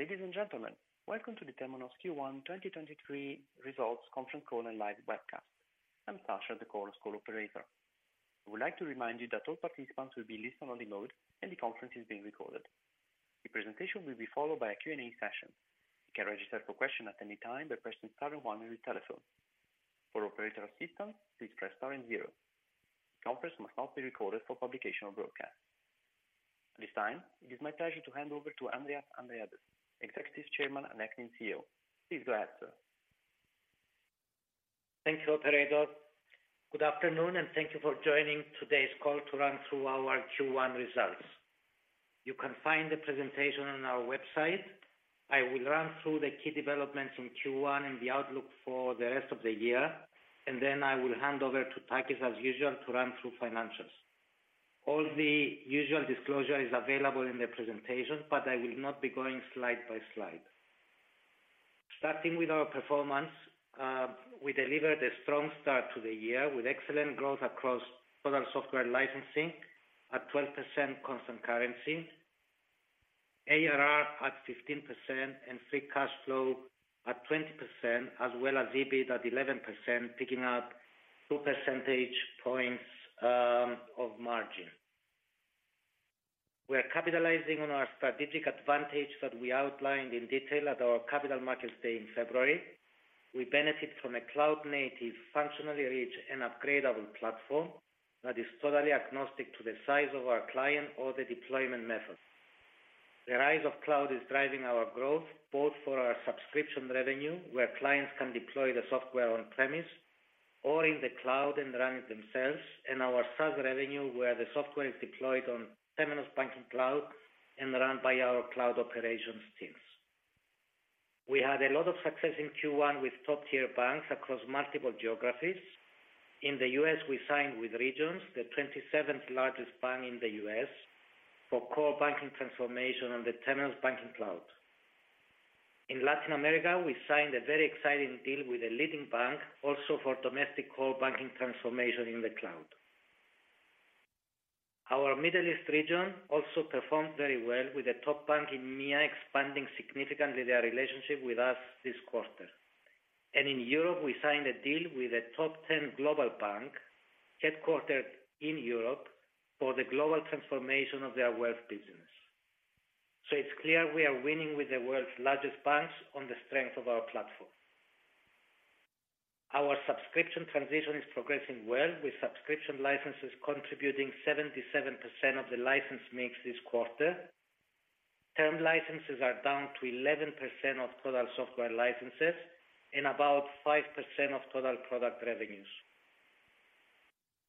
Ladies and gentlemen, welcome to the Temenos Q1 2023 results conference call and Live Webcast. I'm Sasha, the call's call operator. I would like to remind you that all participants will be listen only mode, the conference is being recorded. The presentation will be followed by a Q&A session. You can register for question at any time by pressing star one on your telephone. For operator assistance, please press star and zero. The conference must not be recorded for publication or broadcast. At this time, it is my pleasure to hand over to Andreas Andreades, Executive Chairman and Acting CEO. Please go ahead, sir. Thank you, operator. Good afternoon, and thank you for joining today's call to run through our Q1 results. You can find the presentation on our website. I will run through the key developments in Q1 and the outlook for the rest of the year, and then I will hand over to Takis as usual to run through financials. All the usual disclosure is available in the presentation, but I will not be going slide by slide. Starting with our performance, we delivered a strong start to the year with excellent growth across total software licensing at 12% constant currency, ARR at 15%, and free cash flow at 20%, as well as EBIT at 11%, picking up 2 percentage points of margin. We are capitalizing on our strategic advantage that we outlined in detail at our Capital Markets Day in February. We benefit from a cloud-native, functionally rich, and upgradable platform that is totally agnostic to the size of our client or the deployment method. The rise of cloud is driving our growth, both for our subscription revenue, where clients can deploy the software on-premise or in the cloud and run it themselves, and our SaaS revenue, where the software is deployed on Temenos Banking Cloud and run by our cloud operations teams. We had a lot of success in Q1 with top-tier banks across multiple geographies. In the U.S., we signed with Regions, the 27th largest bank in the U.S., for core banking transformation on the Temenos Banking Cloud. In Latin America, we signed a very exciting deal with a leading bank also for domestic core banking transformation in the cloud. Our Middle East region also performed very well with a top bank in MEA expanding significantly their relationship with us this quarter. In Europe, we signed a deal with a top 10 global bank, headquartered in Europe, for the global transformation of their wealth business. It's clear we are winning with the world's largest banks on the strength of our platform. Our subscription transition is progressing well, with subscription licenses contributing 77% of the license mix this quarter. Term licenses are down to 11% of total software licenses and about 5% of total product revenues.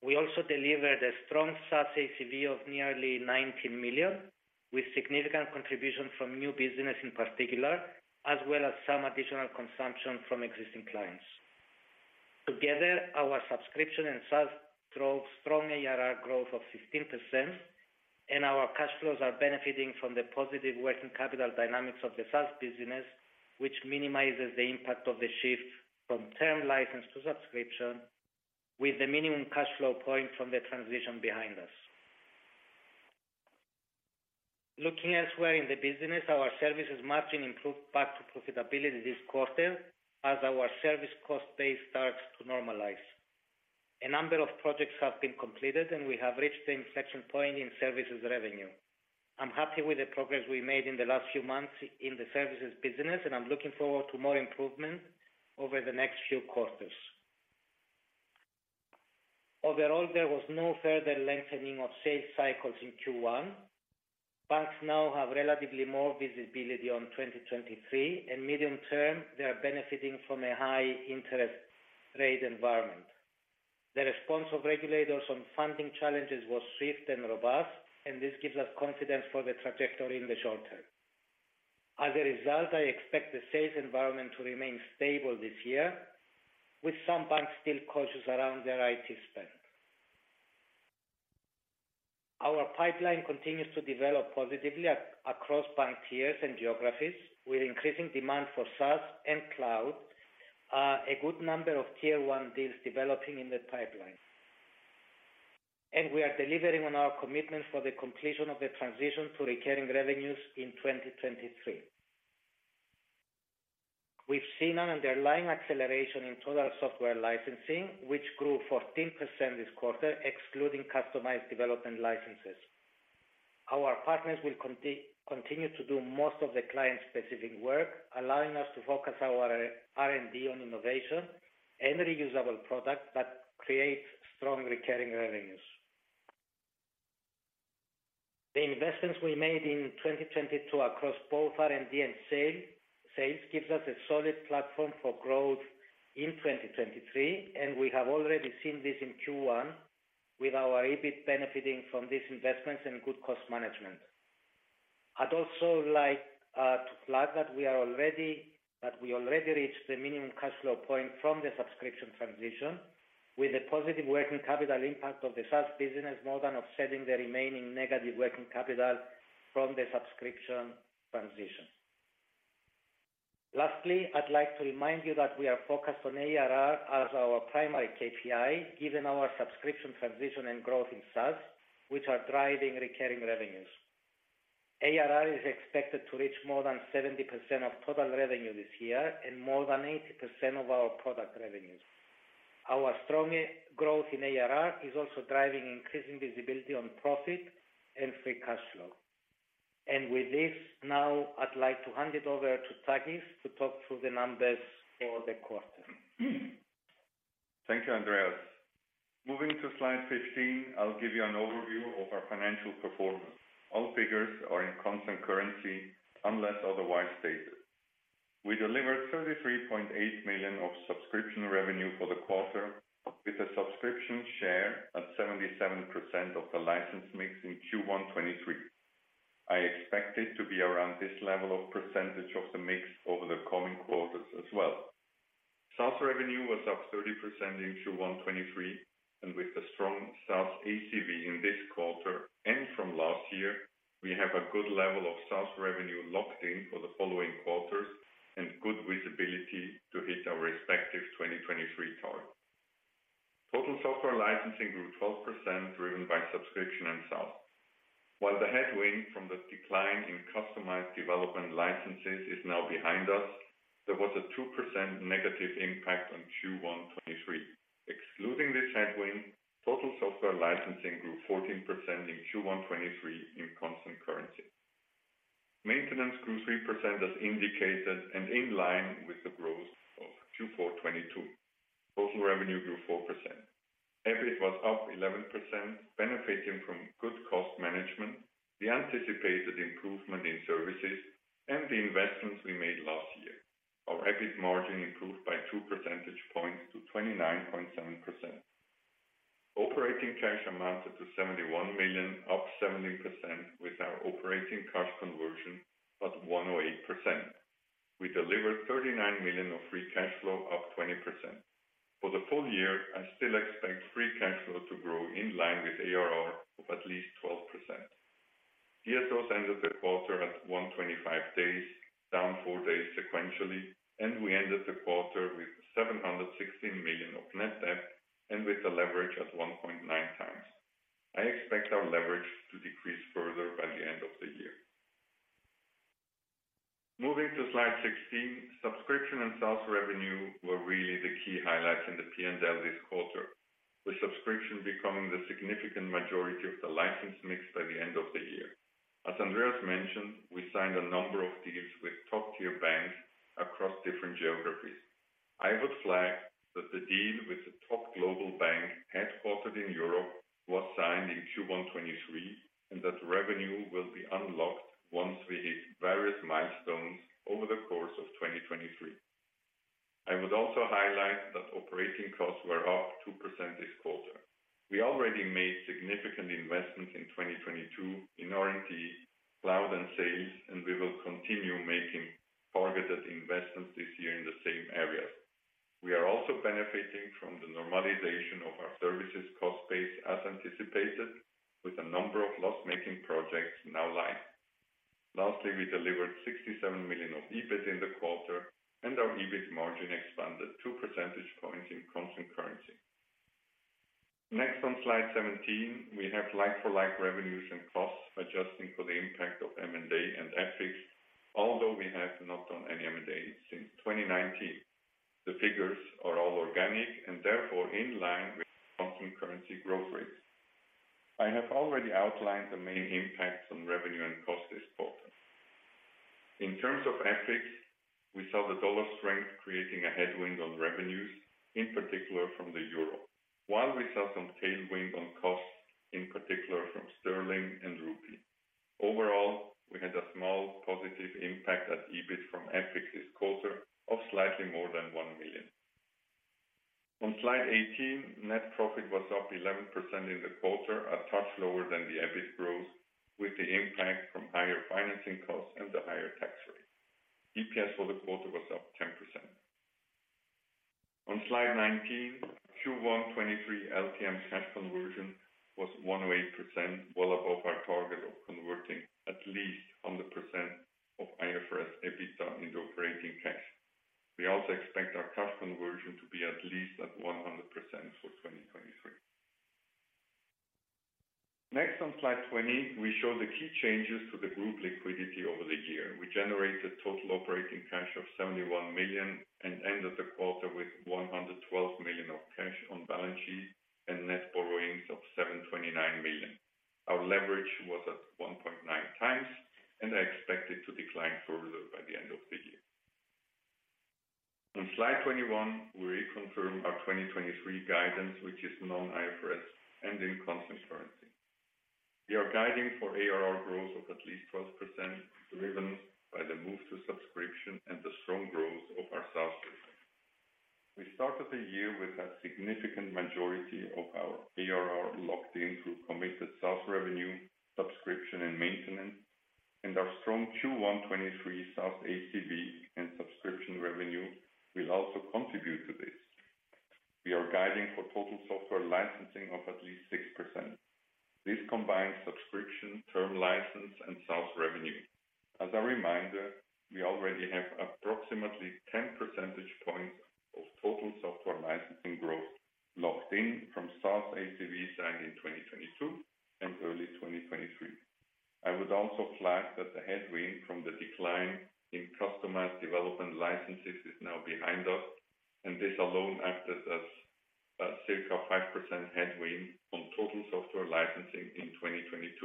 We also delivered a strong SaaS ACV of nearly $90 million, with significant contribution from new business in particular, as well as some additional consumption from existing clients. Together, our subscription and SaaS drove strong ARR growth of 15%. Our cash flows are benefiting from the positive working capital dynamics of the SaaS business, which minimizes the impact of the shift from term license to subscription, with the minimum cash flow point from the transition behind us. Looking elsewhere in the business, our services margin improved back to profitability this quarter as our service cost base starts to normalize. A number of projects have been completed. We have reached the inflection point in services revenue. I'm happy with the progress we made in the last few months in the services business. I'm looking forward to more improvement over the next few quarters. Overall, there was no further lengthening of sales cycles in Q1. Banks now have relatively more visibility on 2023. Medium term, they are benefiting from a high interest rate environment. The response of regulators on funding challenges was swift and robust, this gives us confidence for the trajectory in the short term. As a result, I expect the sales environment to remain stable this year, with some banks still cautious around their IT spend. Our pipeline continues to develop positively across bank tiers and geographies, with increasing demand for SaaS and cloud, a good number of tier one deals developing in the pipeline. We are delivering on our commitment for the completion of the transition to recurring revenues in 2023. We've seen an underlying acceleration in total software licensing, which grew 14% this quarter, excluding customized development licenses. Our partners will continue to do most of the client-specific work, allowing us to focus our R&D on innovation and reusable products that create strong recurring revenues. The investments we made in 2022 across both R&D and sales gives us a solid platform for growth in 2023, and we have already seen this in Q1 with our EBIT benefiting from these investments and good cost management. I'd also like to flag that we already reached the minimum cash flow point from the subscription transition, with the positive working capital impact of the SaaS business more than offsetting the remaining negative working capital from the subscription transition. Lastly, I'd like to remind you that we are focused on ARR as our primary KPI, given our subscription transition and growth in SaaS, which are driving recurring revenues. ARR is expected to reach more than 70% of total revenue this year and more than 80% of our product revenues. Our strong growth in ARR is also driving increasing visibility on profit and free cash flow. With this, now I'd like to hand it over to Takis to talk through the numbers for the quarter. Thank you, Andreas. Moving to slide 15, I'll give you an overview of our financial performance. All figures are in constant currency, unless otherwise stated. We delivered $33.8 million of subscription revenue for the quarter, with a subscription share at 77% of the license mix in Q1 2023. I expect it to be around this level of percentage of the mix over the coming quarters as well. SaaS revenue was up 30% in Q1 2023, and with the strong SaaS ACV in this quarter and from last year, we have a good level of SaaS revenue locked in for the following quarters and good visibility to hit our respective 2023 target. Total software licensing grew 12% driven by subscription and SaaS. While the headwind from the decline in customized development licenses is now behind us, there was a 2% negative impact on Q1 2023. Excluding this headwind, total software licensing grew 14% in Q1 2023 in constant currency. Maintenance grew 3% as indicated and in line with the growth of Q4 2022. Total revenue grew 4%. EBIT was up 11%, benefiting from good cost management, the anticipated improvement in services, and the investments we made last year. Our EBIT margin improved by 2 percentage points to 29.7%. Operating cash amounted to $71 million, up 70% with our operating cash conversion at 1.8%. We delivered $39 million of free cash flow, up 20%. For the full year, I still expect free cash flow to grow in line with ARR of at least 12%. DSOs ended the quarter at 125 days, down 4 days sequentially, we ended the quarter with $716 million of net debt and with the leverage at 1.9x. I expect our leverage to decrease further by the end of the year. Moving to slide 16, subscription and SaaS revenue were really the key highlights in the P&L this quarter, with subscription becoming the significant majority of the license mix by the end of the year. As Andreas mentioned, we signed a number of deals with top-tier banks across different geographies. I would flag that the deal with the top global bank headquartered in Europe was signed in Q1 2023, and that revenue will be unlocked once we hit various milestones over the course of 2023. I would also highlight that operating costs were up 2% this quarter. We already made significant investments in 2022 in R&D, cloud, and sales, and we will continue making targeted investments this year in the same areas. We are also benefiting from the normalization of our services cost base as anticipated with a number of loss-making projects now live. Lastly, we delivered $67 million of EBIT in the quarter, and our EBIT margin expanded 2 percentage points in constant currency. Next on slide 17, we have like-for-like revenues and costs, adjusting for the impact of M&A and FX. Although we have not done any M&A since 2019. The figures are all organic and therefore in line with constant currency growth rates. I have already outlined the main impacts on revenue and costs this quarter. In terms of FX, we saw the dollar strength creating a headwind on revenues, in particular from the euro, while we saw some tailwind on costs, in particular from sterling and rupee. Overall, we had a small positive impact at EBIT from FX this quarter of slightly more than $1 million. On slide 18, net profit was up 11% in the quarter, a touch lower than the EBIT growth, with the impact from higher financing costs and the higher tax rate. EPS for the quarter was up 10%. On slide 19, Q1 2023 LTM cash conversion was 1.8%, well above our target of converting at least 100% of IFRS EBITDA into operating cash. We also expect our cash conversion to be at least at 100% for 2023. On slide 20, we show the key changes to the group liquidity over the year. We generated total operating cash of $71 million and ended the quarter with $112 million of cash on the balance sheet and net borrowings of $729 million. Our leverage was at 1.9x, I expect it to decline further by the end of the year. On slide 21, we reconfirm our 2023 guidance, which is non-IFRS and in constant currency. We are guiding for ARR growth of at least 12%, driven by the move to subscription and the strong growth of our SaaS business. We started the year with a significant majority of our ARR locked in through committed SaaS revenue, subscription, and maintenance, and our strong Q1 2023 SaaS ACV and subscription revenue will also contribute to this. We are guiding for total software licensing of at least 6%. This combines subscription, term license, and SaaS revenue. As a reminder, we already have approximately 10 percentage points of total software licensing growth locked in from SaaS ACV signed in 2022 and early 2023. I would also flag that the headwind from the decline in customized development licenses is now behind us, This alone acted as a circa 5% headwind on total software licensing in 2022.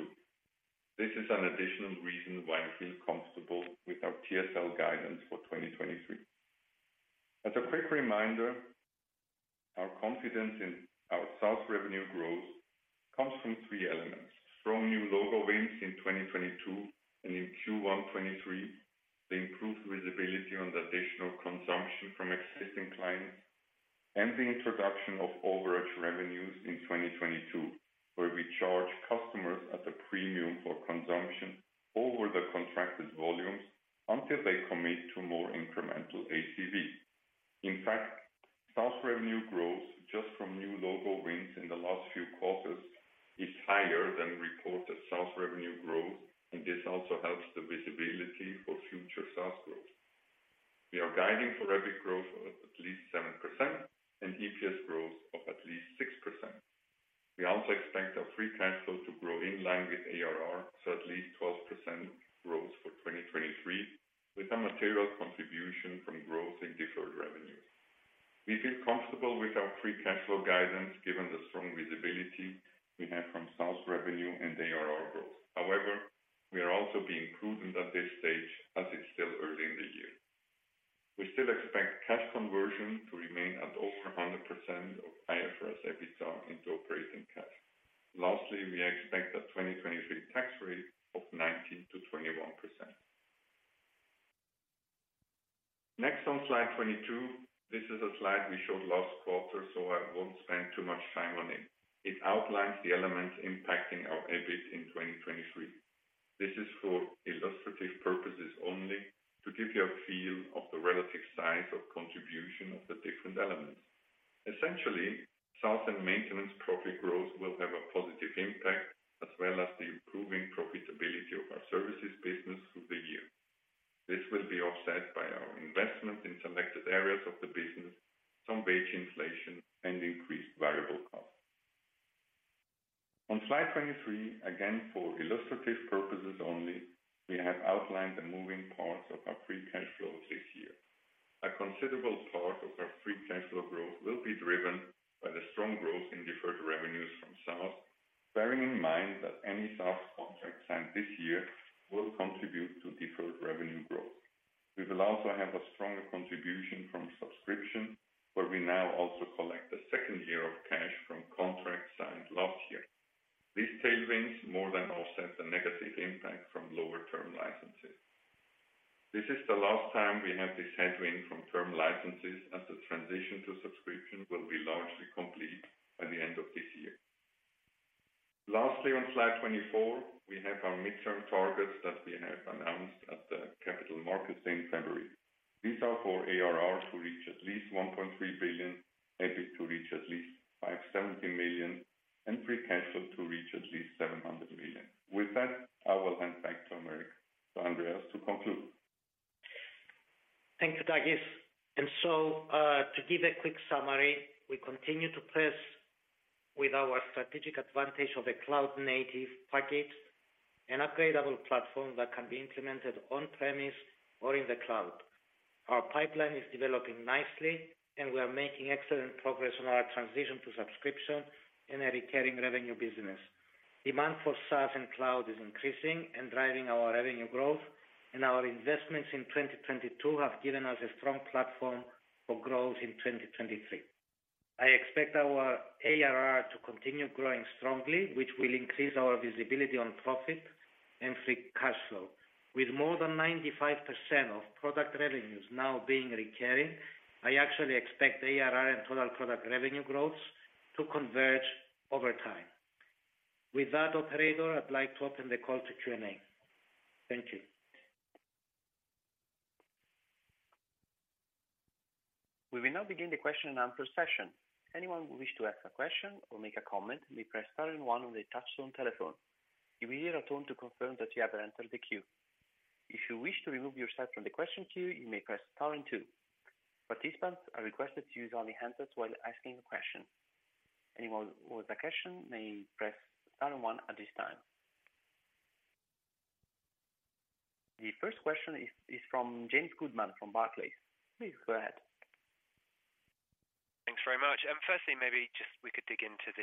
This is an additional reason why I feel comfortable with our TSL guidance for 2023. As a quick reminder, our confidence in our SaaS revenue growth comes from three elements: strong new logo wins in 2022 and in Q1 2023, the improved visibility on the additional consumption from existing clients, and the introduction of overage revenues in 2022, where we charge customers at a premium for consumption over the contracted volumes until they commit to more incremental ACV. In fact, SaaS revenue growth just from new logo wins in the last few quarters is higher than reported SaaS revenue growth, and this also helps the visibility for future SaaS growth. We are guiding for EBIT growth of at least 7% and EPS growth of at least 6%. We also expect our free cash flow to grow in line with ARR, so at least 12% growth for 2023, with a material contribution from growth in deferred revenue. We feel comfortable with our free cash flow guidance given the strong visibility we have from SaaS revenue and ARR growth. We are also being prudent at this stage as it's still early in the year. We still expect cash conversion to remain at over 100% of IFRS EBITDA into operating cash. We expect a 2023 tax rate of 19%-21%. On slide 22. This is a slide we showed last quarter, I won't spend too much time on it. It outlines the elements impacting our EBIT in 2023. This is for illustrative purposes only to give you a feel of the relative size or contribution of the different elements. SaaS and maintenance profit growth will have a positive impact, as well as the improving profitability of our services business through the year. This will be offset by our investment in selected areas of the business, some wage inflation, and increased variable costs. On slide 23, again, for illustrative purposes only, we have outlined the moving parts of our free cash flow this year. A considerable part of our free cash flow growth will be driven by the strong growth in deferred revenues from SaaS, bearing in mind that any SaaS contract signed this year will contribute to deferred revenue growth. We will also have a stronger contribution from subscription, where we now also collect the second year of cash from contracts signed last year. These tailwinds more than offset the negative impact from lower term licenses. This is the last time we have this headwind from term licenses as the transition to subscription will be largely complete by the end of this year. Lastly, on slide 24, we have our midterm targets that we have announced at the Capital Markets in February. These are for ARR to reach at least $1.3 billion, EBIT to reach at least $570 million, and free cash flow to reach at least $700 million. With that, I will hand back to Andreas to conclude. Thank you, Takis. To give a quick summary, we continue to press with our strategic advantage of a cloud-native package and upgradeable platform that can be implemented on-premise or in the cloud. Our pipeline is developing nicely, and we are making excellent progress on our transition to subscription in a recurring revenue business. Demand for SaaS and cloud is increasing and driving our revenue growth, and our investments in 2022 have given us a strong platform for growth in 2023. I expect our ARR to continue growing strongly, which will increase our visibility on profit and free cash flow. With more than 95% of product revenues now being recurring, I actually expect ARR and total product revenue growth to converge over time. With that, operator, I'd like to open the call to Q&A. Thank you. We will now begin the question and answer session. Anyone who wish to ask a question or make a comment, may press star one on the touchstone telephone. You will hear a tone to confirm that you have entered the queue. If you wish to remove yourself from the question queue, you may press star two. Participants are requested to use only handlifts while asking a question. Anyone with a question may press star one at this time. The first question is from James Goodman from Barclays. Please go ahead. Thanks very much. Firstly, maybe just we could dig into the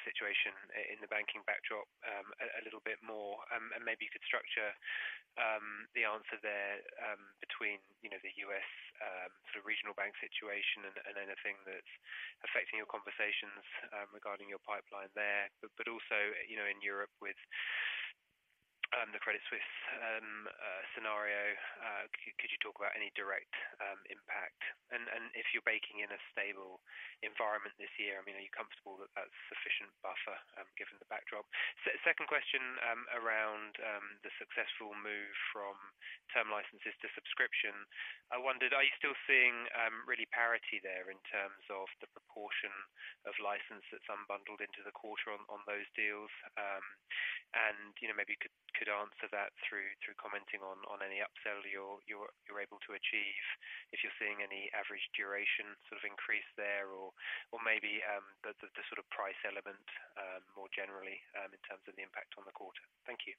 situation in the banking backdrop, a little bit more. Maybe you could structure the answer there, between, you know, the U.S., sort of regional bank situation and anything that's affecting your conversations, regarding your pipeline there. But also, you know, in Europe with the Credit Suisse scenario, could you talk about any direct impact? If you're baking in a stable environment this year, I mean, are you comfortable that that's sufficient buffer? Second question, around the successful move from term licenses to subscription. I wondered, are you still seeing really parity there in terms of the proportion of license that's unbundled into the quarter on those deals? You know, maybe could answer that through commenting on any upsell you're able to achieve. If you're seeing any average duration sort of increase there or maybe the sort of price element more generally in terms of the impact on the quarter. Thank you.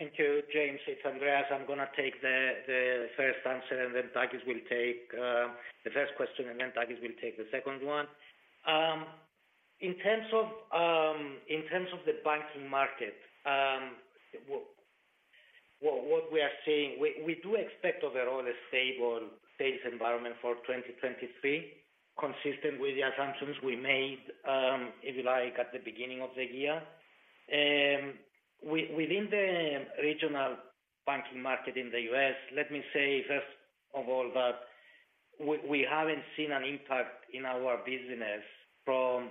Thank you, James. It's Andreas. I'm gonna take the first answer, then Takis will take the first question, then Takis will take the second one. In terms of, in terms of the banking market, what we are seeing, we do expect overall a stable sales environment for 2023, consistent with the assumptions we made, if you like, at the beginning of the year. Within the regional banking market in the U.S., let me say first of all that we haven't seen an impact in our business from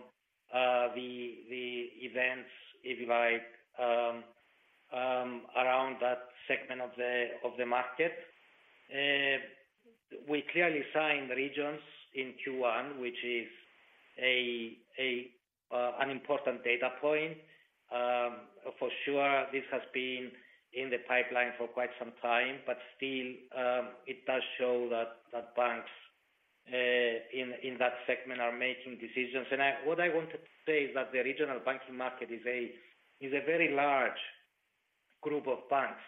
the events, if you like, around that segment of the market. We clearly signed Regions in Q1, which is an important data point. For sure this has been in the pipeline for quite some time, but still, it does show that banks in that segment are making decisions. What I wanted to say is that the regional banking market is a very large group of banks,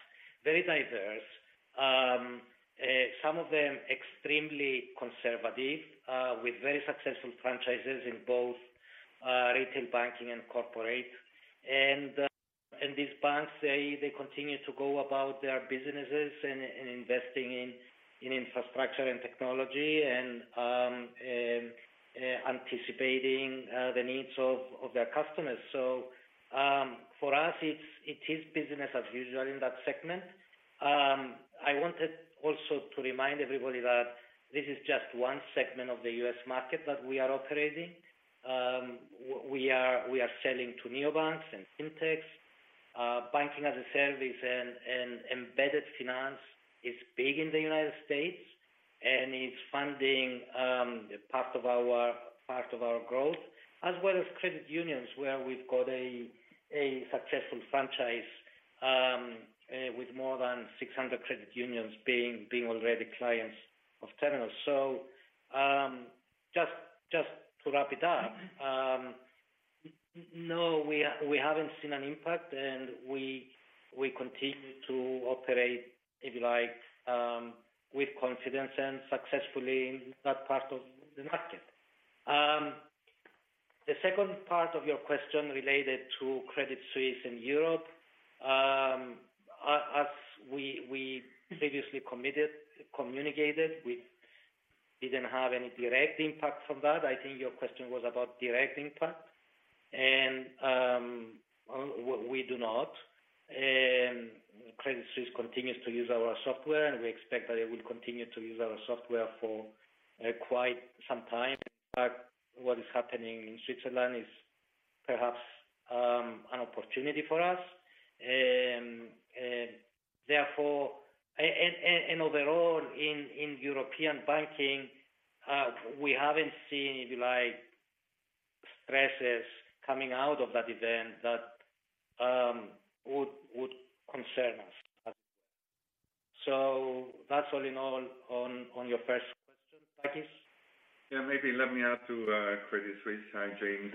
very diverse. Some of them extremely conservative, with very successful franchises in both retail banking and corporate. These banks, they continue to go about their businesses and investing in infrastructure and technology and anticipating the needs of their customers. For us, it is business as usual in that segment. I wanted also to remind everybody that this is just one segment of the U.S. market that we are operating. We are selling to neobanks and fintechs. Banking-as-a-service and embedded finance is big in the United States, and it's funding part of our growth. As well as credit unions, where we've got a successful franchise with more than 600 credit unions being already clients of Temenos. Just to wrap it up. No, we haven't seen an impact, and we continue to operate, if you like, with confidence and successfully in that part of the market. The second part of your question related to Credit Suisse in Europe. As we previously communicated, we didn't have any direct impact from that. I think your question was about direct impact. We do not. Credit Suisse continues to use our software, and we expect that it will continue to use our software for quite some time. What is happening in Switzerland is perhaps an opportunity for us. Therefore, and overall in European banking, we haven't seen, if you like, stresses coming out of that event that would concern us as well. That's all in all on your first question. Takis? Yeah, maybe let me add to Credit Suisse side, James.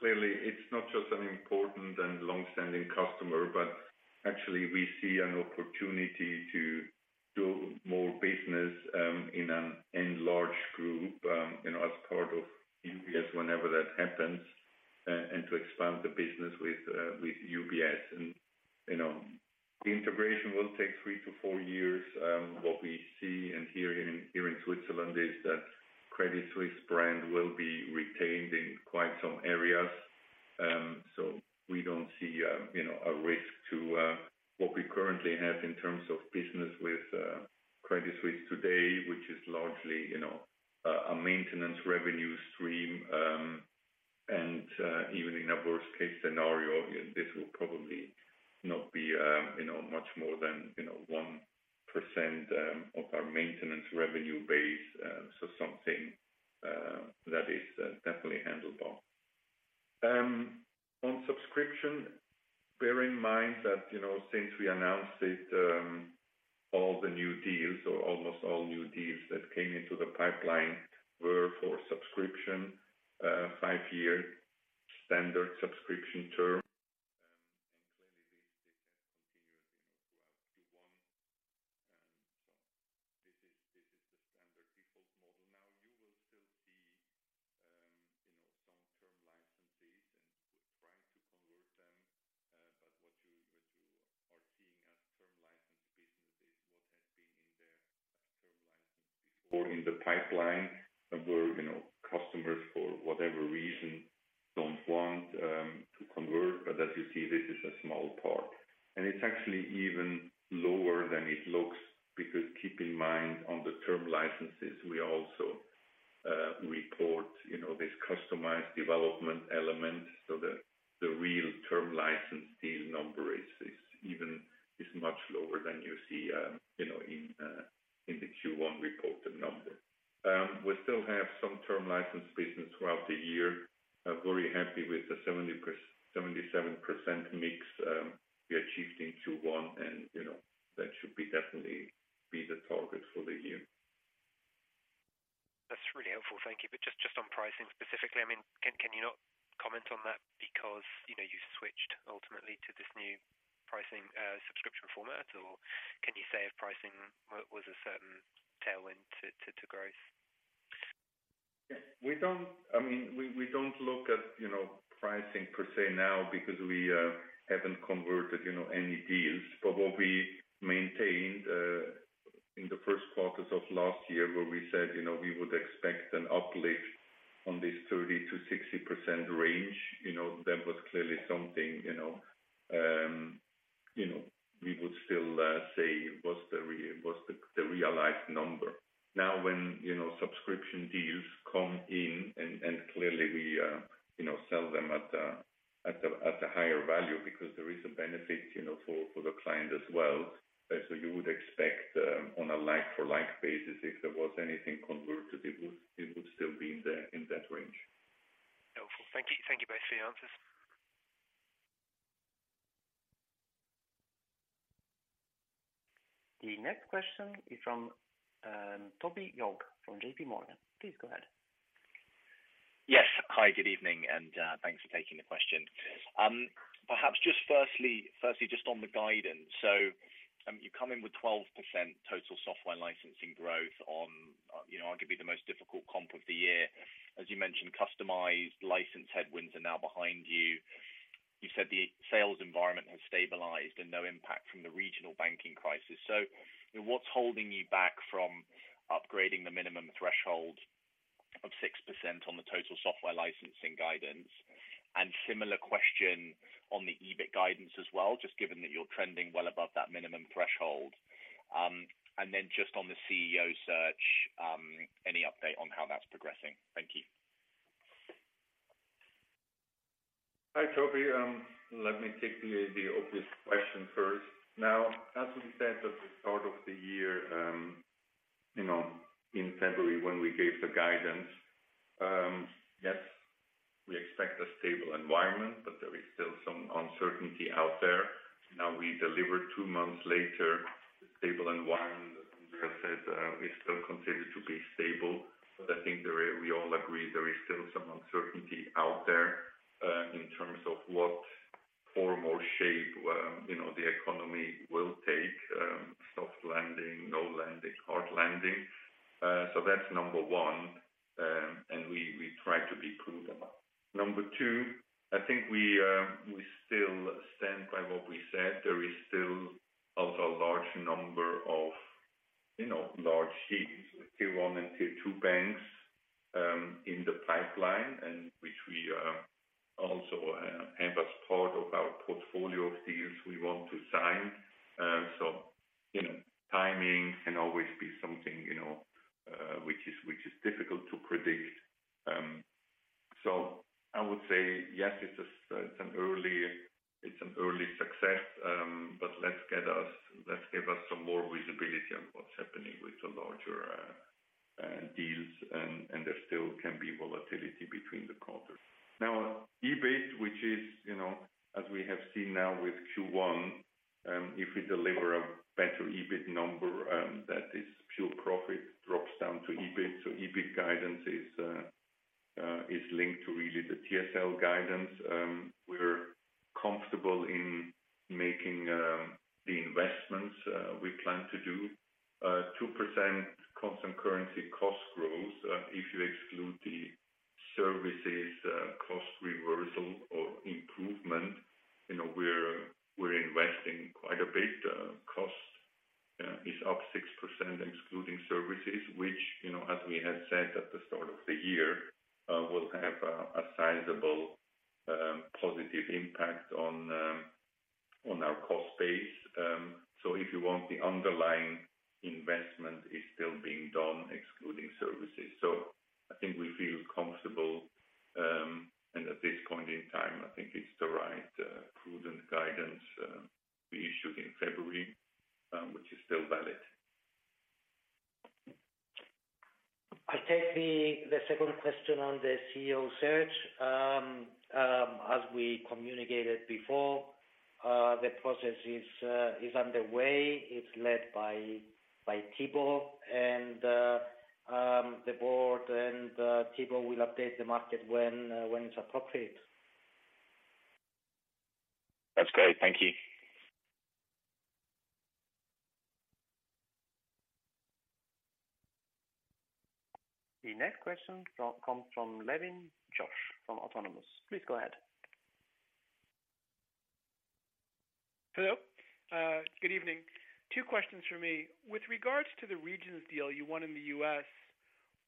Clearly it's not just an important and long-standing customer, but actually we see an opportunity to do more business in an enlarged group, you know, as part of UBS whenever that happens, and to expand the business with UBS. You know, the integration will take three to four years. What we see and hear here in Switzerland is that Credit Suisse brand will be retained in quite some areas. We don't see, you know, a risk to what we currently have in terms of business with Credit Suisse today, which is largely, you know, a maintenance revenue stream. Even in a worst case scenario, this will probably not be much more than 1% of our maintenance revenue base. Something that is definitely handled well. On subscription, bear in mind that since we announced it, all the new deals or almost all new deals that came into the pipeline were for subscription, five-year standard subscription term. Clearly this has continued throughout Q1. This is the standard default model. Now you will still see some term licensees and we're trying to convert them. What you are seeing as term license business is what has been in there as term license before in the pipeline of where, you know, customers for whatever reason don't want to convert. As you see, this is a small part. And it's actually even lower than it looks because keep in mind on the term licenses, we also report, you know, this customized development element so that the real term license deal number is much lower than you see, you know, in the Q1 reported number. We still have some term license business throughout the year. I'm very happy with the 77% mix we achieved in Q1 and you know, that should definitely be the target for the year. That's really helpful. Thank you. Just on pricing specifically, I mean, can you not comment on that because, you know, you switched ultimately to this new pricing, subscription format? Or can you say if pricing was a certain tailwind to growth? Yeah. We don't, I mean, we don't look at, you know, pricing per se now because we haven't converted, you know, any deals. What we maintained in the first quarters of last year where we said, you know, we would expect an uplift on this 30%-60% range, you know, that was clearly something, you know, we would still say was the realized number. Now when, you know, subscription deals come in and clearly we, you know, sell them at a higher value because there is a benefit, you know, for the client as well. You would expect on a like for like basis, if there was anything converted, it would still be in that range. Helpful. Thank you. Thank you both for your answers. The next question is from Toby Ogg from JPMorgan. Please go ahead. Yes. Hi, good evening, and thanks for taking the question. Perhaps just firstly just on the guidance. You come in with 12% total software licensing growth on, you know, arguably the most difficult comp of the year. As you mentioned, customized license headwinds are now behind you. You said the sales environment has stabilized and no impact from the regional banking crisis. What's holding you back from upgrading the minimum threshold of 6% on the total software licensing guidance? Similar question on the EBIT guidance as well, just given that you're trending well above that minimum threshold. Then just on the CEO search, any update on how that's progressing? Thank you. Hi, Toby. Let me take the obvious question first. As we said at the start of the year, you know, in February when we gave the guidance, yes, we expect a stable environment, but there is still some uncertainty out there. We delivered two months later, the stable environment, as Andreas said, we still consider to be stable. I think we all agree there is still some uncertainty out there, in terms of what form or shape, you know, the economy will take, soft landing, no landing, hard landing. That's number one. We try to be prudent. Number two, I think we still stand by what we said. There is still also a large number of large deals, tier one and tier two banks, in the pipeline and which we also have as part of our portfolio of deals we want to sign. Timing can always be something which is difficult to predict. I would say yes, it's an early success, but let's give us some more visibility on what's happening with the larger deals and there still can be volatility between the quarters. EBIT, which is, as we have seen now with Q1, if we deliver a better EBIT number, that is pure profit drops down to EBIT. EBIT guidance is linked to really the TSL guidance. We're comfortable in making the investments we plan to do. 2% constant currency cost growth if you exclude the services cost reversal or improvement. You know, we're investing quite a bit. Cost is up 6% excluding services, which, you know, as we had said at the start of the year, will have a sizable positive impact on our cost base. If you want, the underlying investment is still being done excluding services. I think we feel comfortable, and at this point in time, I think it's the right prudent guidance we issued in February, which is still valid. I take the second question on the CEO search. As we communicated before, the process is underway. It's led by Tibo and the board. Tibo will update the market when it's appropriate. That's great. Thank you. The next question comes from Josh Levin from Autonomous Research. Please go ahead. Hello. Good evening. Two questions from me. With regards to the Regions Bank deal you won in the U.S.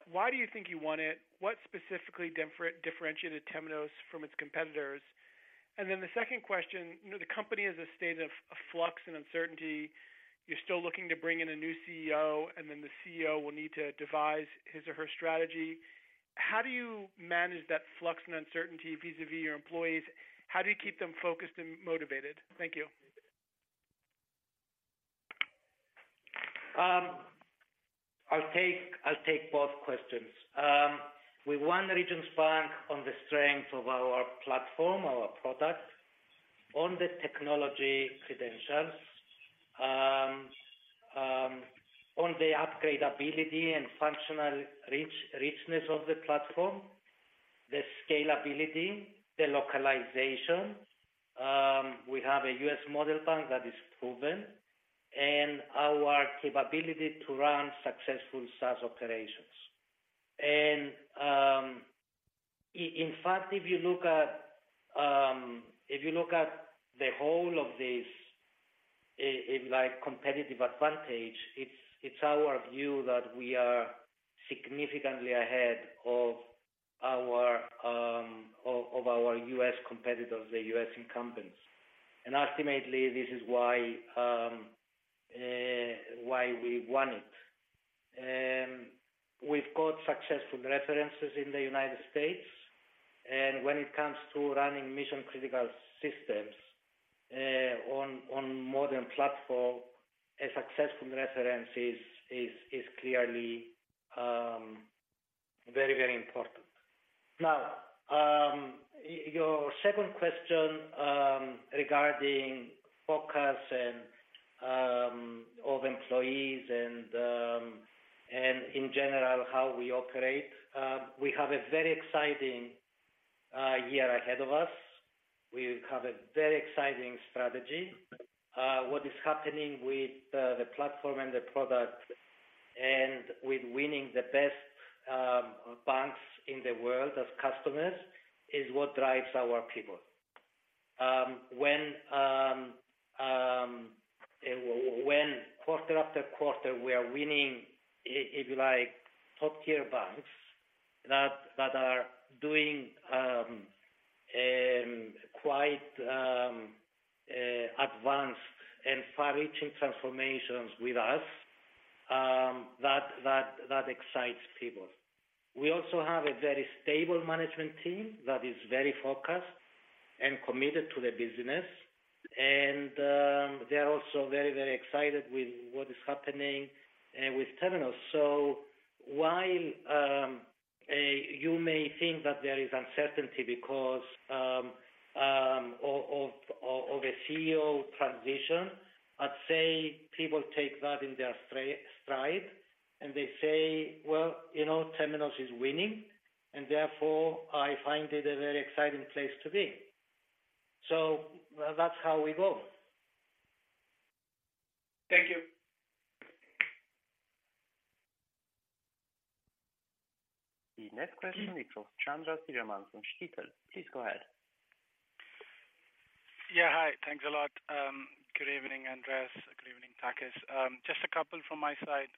Why do you think you won it? What specifically differentiated Temenos from its competitors? The second question, you know the company is a state of flux and uncertainty. You're still looking to bring in a new CEO, and then the CEO will need to devise his or her strategy. How do you manage that flux and uncertainty vis-a-vis your employees? How do you keep them focused and motivated? Thank you. I'll take both questions. We won Regions Bank on the strength of our platform, our product, on the technology credentials, on the upgrade ability and functional richness of the platform, the scalability, the localization. We have a U.S. model bank that is proven, and our capability to run successful SaaS operations. In fact, if you look at, if you look at the whole of this like competitive advantage, it's our view that we are significantly ahead of our, of our U.S. competitors, the U.S. incumbents. Ultimately this is why we won it. We've got successful references in the United States, and when it comes to running mission-critical systems, on modern platform, a successful reference is clearly very important. Now, your second question regarding focus and of employees and in general how we operate. We have a very exciting year ahead of us. We have a very exciting strategy. What is happening with the platform and the product and with winning the best banks in the world as customers is what drives our people. When quarter after quarter we are winning if you like top-tier banks that are doing quite advanced and far-reaching transformations with us, that excites people. We also have a very stable management team that is very focused and committed to the business and they're also very excited with what is happening with Temenos. While, you may think that there is uncertainty because of a CEO transition, I'd say people take that in their stride and they say, "Well, you know, Temenos is winning and therefore I find it a very exciting place to be." That's how we go. Thank you. The next question is from Chandra Sriraman from Stifel. Please go ahead. Yeah. Hi. Thanks a lot. Good evening, Andreas. Good evening, Takis. Just a couple from my side.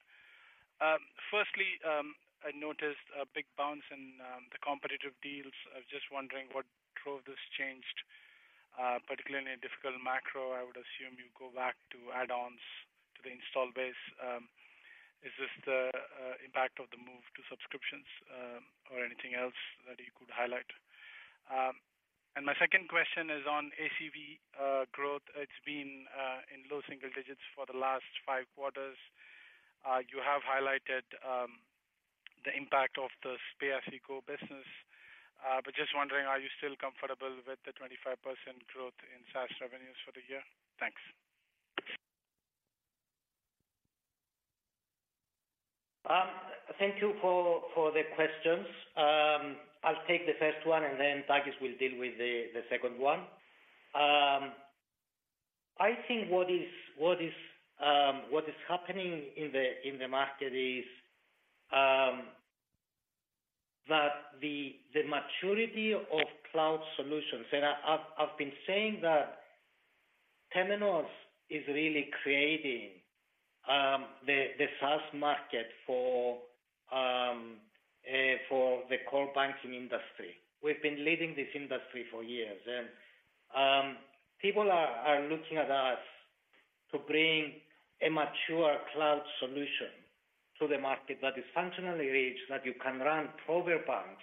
Firstly, I noticed a big bounce in the competitive deals. I was just wondering what drove this change, particularly in a difficult macro, I would assume you go back to add-ons to the install base. Is this the impact of the move to subscriptions, or anything else that you could highlight? My second question is on ACV growth. It's been in low single digits for the last five quarters. You have highlighted the impact of the SPAC ecosystem business. Just wondering, are you still comfortable with the 25% growth in SaaS revenues for the year? Thanks. Thank you for the questions. I'll take the first one, and then Takis will deal with the second one. I think what is happening in the market is that the maturity of cloud solutions. I've been saying that Temenos is really creating the SaaS market for the core banking industry. We've been leading this industry for years, and people are looking at us to bring a mature cloud solution to the market that is functionally rich, that you can run proper banks,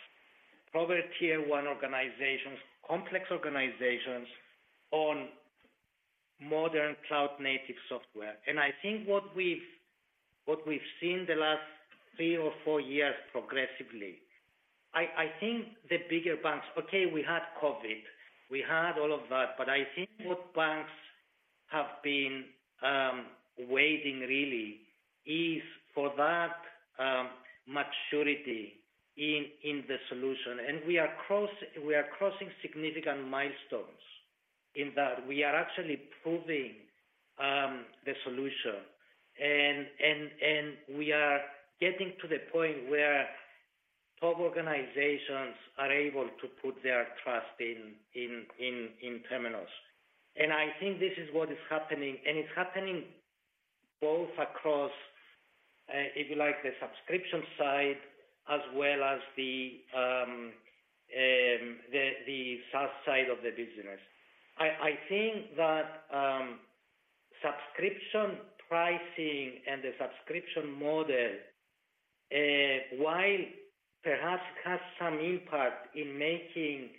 proper tier one organizations, complex organizations on modern cloud-native software. I think what we've seen the last three or four years progressively, I think the bigger banks, okay, we had COVID, we had all of that, but I think what banks have been waiting really is for that maturity in the solution. We are crossing significant milestones in that we are actually proving the solution. We are getting to the point where top organizations are able to put their trust in Temenos. I think this is what is happening, and it's happening both across, if you like, the subscription side as well as the SaaS side of the business. I think that subscription pricing and the subscription model, while perhaps has some impact in making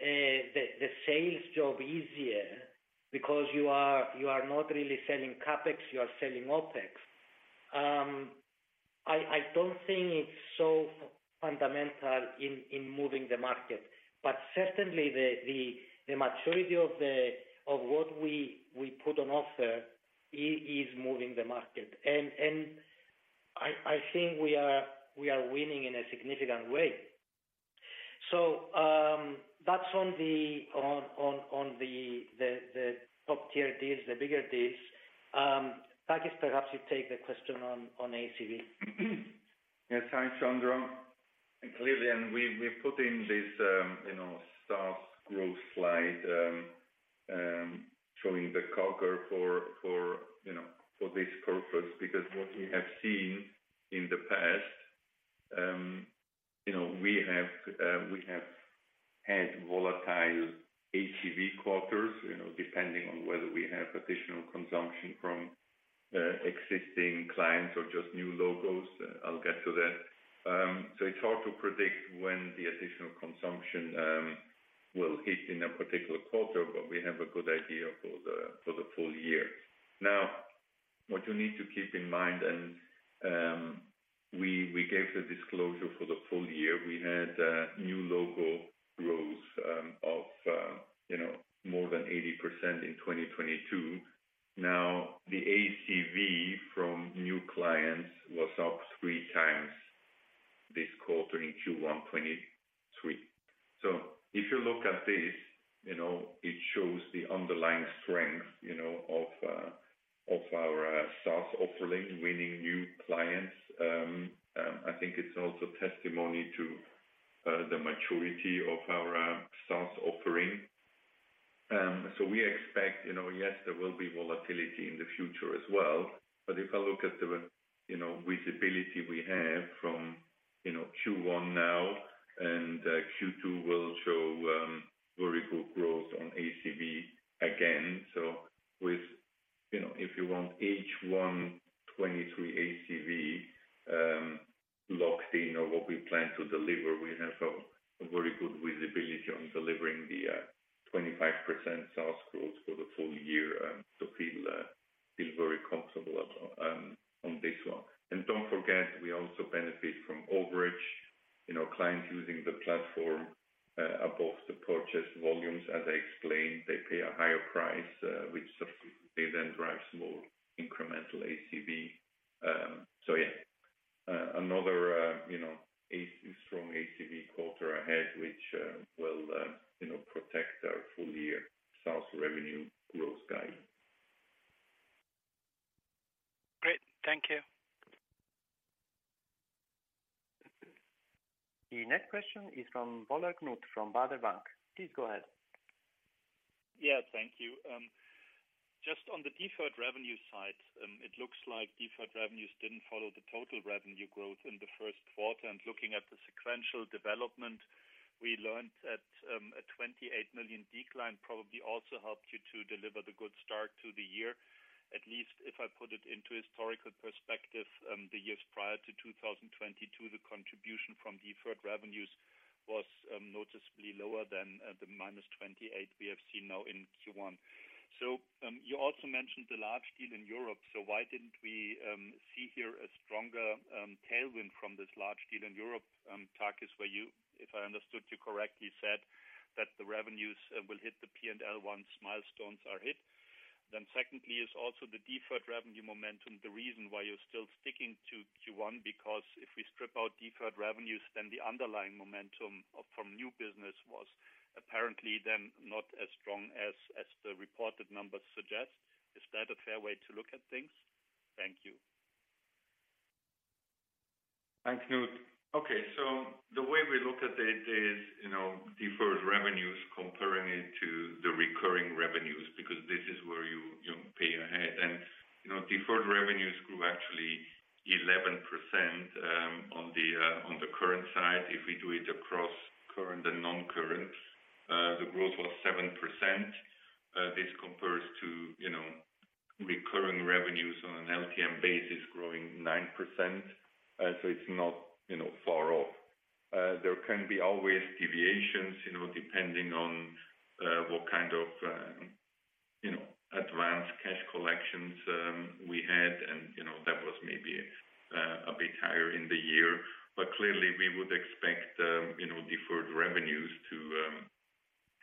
the sales job easier because you are not really selling CapEx, you are selling OpEx, I don't think it's so fundamental in moving the market. Certainly the maturity of what we put on offer is moving the market. I think we are winning in a significant way. That's on the top-tier deals, the bigger deals. Takis perhaps you take the question on ACV. Yes. Thanks, Andreas. Clearly, and we've put in this, you know, SaaS growth slide, showing the CAGR for, you know, for this purpose. What we have seen in the past, you know, we have had volatile ACV quarters, you know, depending on whether we have additional consumption from existing clients or just new logos. I'll get to that. It's hard to predict when the additional consumption will hit in a particular quarter, but we have a good idea for the full year. What you need to keep in mind and we gave the disclosure for the full year. We had new logo growth of, you know, more than 80% in 2022. The ACV from new clients was up 3x this quarter in Q1 2023. If you look at this, you know, it shows the underlying strength, you know, of our SaaS offering, winning new clients. I think it's also testimony to the maturity of our SaaS offering. We expect, you know, yes, there will be volatility in the future as well. If I look at the, you know, visibility we have from, you know, Q1 now and Q2 will show very good growth on ACV again. With, you know, if you want H1 2023 ACV locked in or what we plan to deliver, we have a very good visibility on delivering the 25% SaaS growth for the full year, so feel very comfortable on this one. Don't forget we also benefit from overage. Clients using the platform, above the purchase volumes, as I explained, they pay a higher price, which subsequently then drives more incremental ACV. Yeah, another strong ACV quarter ahead, which will protect our full year SaaS revenue growth guide. Great. Thank you. The next question is from Knut Woller from Baader Bank. Please go ahead. Yeah, thank you. Just on the deferred revenue side, it looks like deferred revenues didn't follow the total revenue growth in the first quarter. Looking at the sequential development, we learned that a $28 million decline probably also helped you to deliver the good start to the year. At least if I put it into historical perspective, the years prior to 2022, the contribution from deferred revenues was noticeably lower than the -$28 million we have seen now in Q1. You also mentioned the large deal in Europe, so why didn't we see here a stronger tailwind from this large deal in Europe? Takis, were you, if I understood you correctly, said that the revenues will hit the P&L once milestones are hit. Secondly, is also the deferred revenue momentum the reason why you're still sticking to Q1? Because if we strip out deferred revenues, then the underlying momentum from new business was apparently then not as strong as the reported numbers suggest. Is that a fair way to look at things? Thank you. Thanks, Knut. The way we look at it is, you know, deferred revenues comparing it to the recurring revenues, because this is where you pay ahead. Deferred revenues grew actually 11% on the current side. If we do it across current and non-current, the growth was 7%. This compares to, you know, recurring revenues on an LTM basis growing 9%. It's not, you know, far off. There can be always deviations, you know, depending on what kind of, you know, advanced cash collections we had. That was maybe a bit higher in the year. Clearly we would expect, you know, deferred revenues to,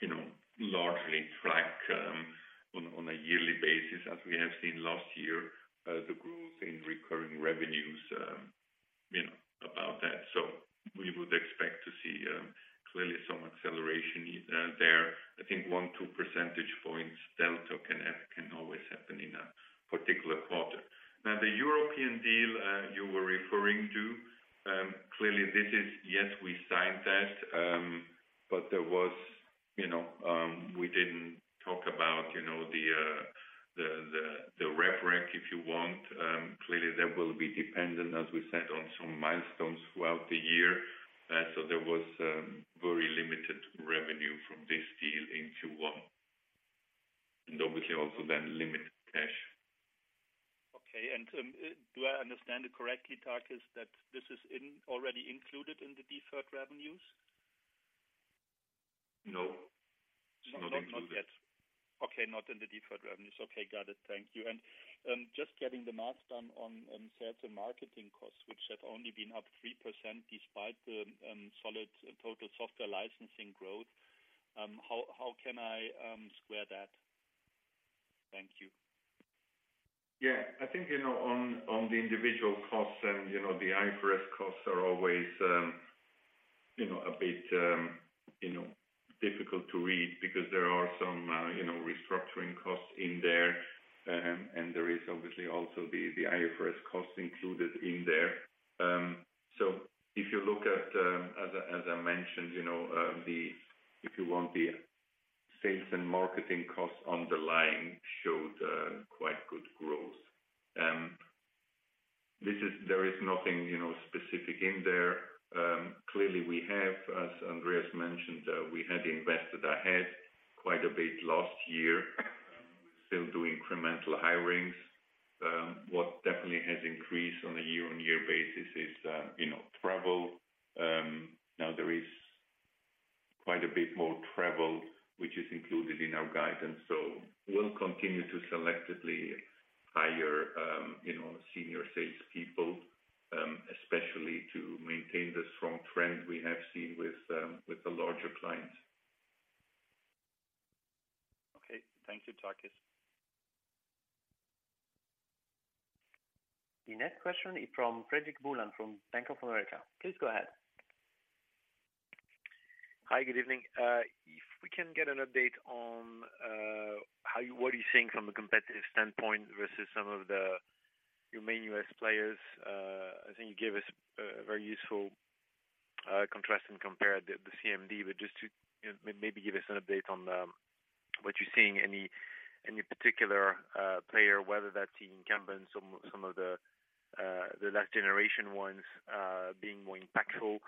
you know, largely track on a yearly basis, as we have seen last year, the growth in recurring revenues, you know, above that. We would expect to see clearly some acceleration there. I think one, two percentage points delta can always happen in a particular quarter. Now, the European deal, you were referring to. Clearly this is, yes, we signed that, but there was, you know, we didn't talk about, you know, the Revenue Recognition, if you want. Clearly that will be dependent, as we said, on some milestones throughout the year. So there was very limited revenue from this deal in Q1. Obviously also then limited cash. Okay. Do I understand it correctly, Takis, that this is already included in the deferred revenues? No. It's not included. Not yet. Okay, not in the deferred revenues. Okay, got it. Thank you. Just getting the math done on sales and marketing costs, which had only been up 3% despite the solid total software licensing growth. How can I square that? Thank you. Yeah. I think, you know, on the individual costs and, you know, the IFRS costs are always, you know, a bit, you know, difficult to read because there are some, you know, restructuring costs in there. There is obviously also the IFRS costs included in there. If you look at, as I mentioned, you know, the, if you want the sales and marketing costs underlying showed quite good growth. There is nothing, you know, specific in there. Clearly we have, as Andreas mentioned, we had invested ahead quite a bit last year. Still do incremental hirings. What definitely has increased on a year-on-year basis is, you know, travel. Now there is quite a bit more travel, which is included in our guidance. We'll continue to selectively hire, you know, senior sales people, especially to maintain the strong trend we have seen with the larger clients. Okay. Thank you, Takis. The next question is from Frederic Boulan from Bank of America. Please go ahead. Hi, good evening. If we can get an update on what are you seeing from a competitive standpoint versus some of the main U.S. players? I think you gave us a very useful, contrast and compare the CMD, but just to, you know, maybe give us an update on what you're seeing. Any particular player, whether that's the incumbent, some of the last generation ones, being more impactful?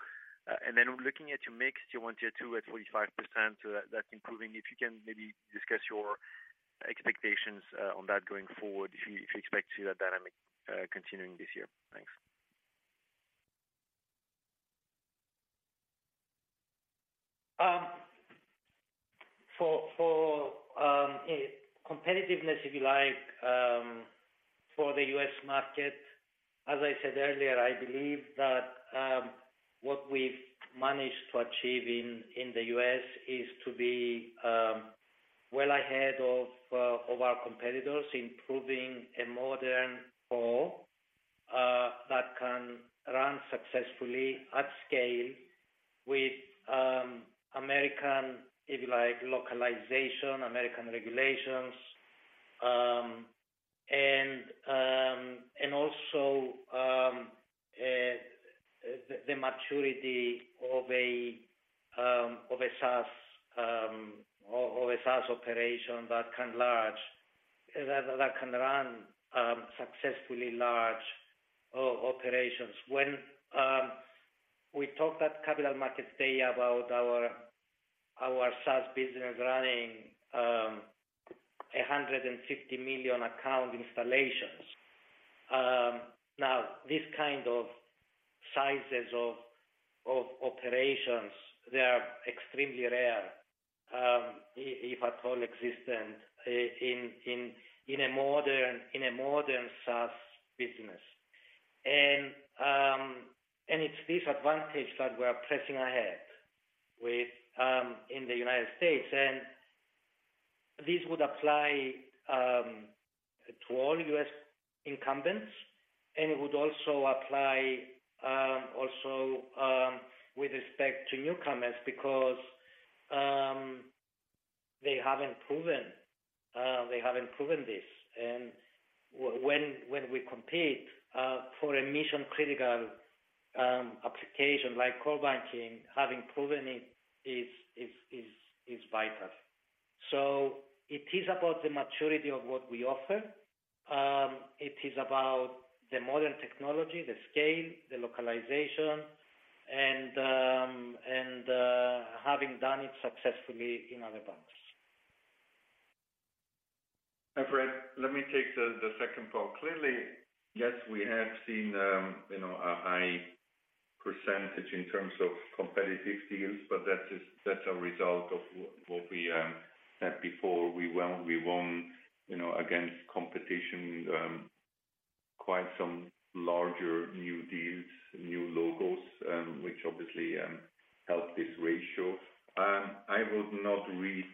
Then looking at your mix, you want tier two at 45%, so that's improving. If you can maybe discuss your expectations on that going forward, if you, if you expect to see that dynamic continuing this year? Thanks. For, for a competitiveness, if you like, for the U.S. market, as I said earlier, I believe that what we've managed to achieve in the U.S. is to be well ahead of our competitors, improving a modern core that can run successfully at scale with American, if you like, localization, American regulations. And also the maturity of a SaaS operation that can run successfully large operations. When we talked at Capital Markets Day about our SaaS business running 150 million account installations. Now these kind of sizes of operations, they are extremely rare if at all existent in a modern SaaS business. It's this advantage that we're pressing ahead with in the United States. This would apply to all U.S. incumbents, and it would also apply also with respect to newcomers because they haven't proven this. When we compete for a mission-critical application like core banking, having proven it is vital. It is about the maturity of what we offer. It is about the modern technology, the scale, the localization, and having done it successfully in other banks. Fred, let me take the second part. Clearly, yes, we have seen, you know, a high percentage in terms of competitive deals, but that's a result of what we said before. We won, you know, against competition, quite some larger new deals, new logos, which obviously help this ratio. I would not read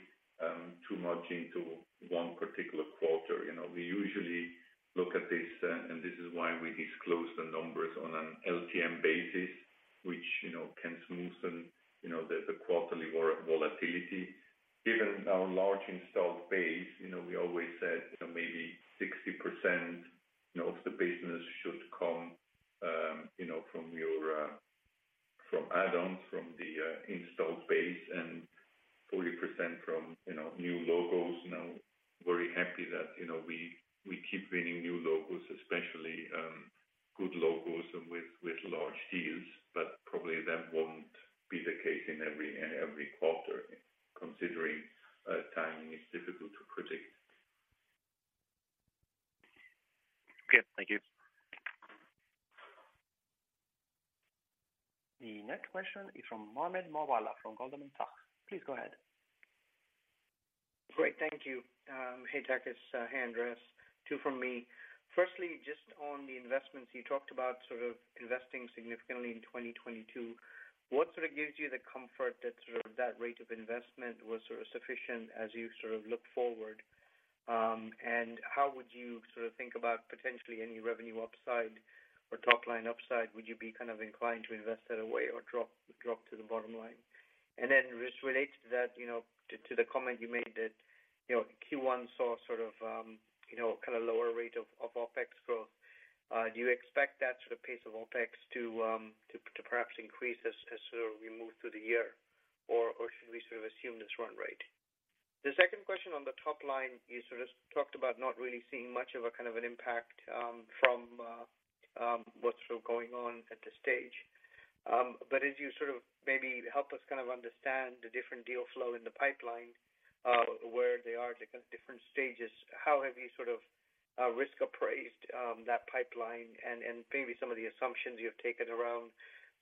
too much into one particular quarter. You know, we usually look at this, and this is why we disclose the numbers on an LTM basis. Which, you know, can smoothen, you know, the quarterly volatility. Given our large installed base, you know, we always said maybe 60% of the business should come, you know, from your, from add-ons, from the installed base and 40% from, you know, new logos. You know, very happy that, you know, we keep winning new logos, especially, good logos and with large deals. Probably that won't be the case in every quarter, considering, timing is difficult to predict. Okay, thank you. The next question is from Mohammed Moawalla from Goldman Sachs. Please go ahead. Great, thank you. Hey, Takis. Hey, Andreas. Two from me. Firstly, just on the investments, you talked about sort of investing significantly in 2022. What sort of gives you the comfort that sort of that rate of investment was sort of sufficient as you sort of look forward? How would you sort of think about potentially any revenue upside or top line upside? Would you be kind of inclined to invest that away or drop to the bottom line? Just related to that, you know, to the comment you made that, you know, Q1 saw sort of, you know, kind of lower rate of OpEx growth. Do you expect that sort of pace of OpEx to perhaps increase as we move through the year? Or should we sort of assume this run rate? The second question on the top line, you sort of talked about not really seeing much of a kind of an impact from what's sort of going on at this stage. As you sort of maybe help us kind of understand the different deal flow in the pipeline, where they are at different stages, how have you sort of risk appraised that pipeline and maybe some of the assumptions you have taken around